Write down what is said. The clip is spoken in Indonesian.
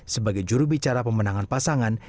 sebagai juru bicara pemenangan pasangan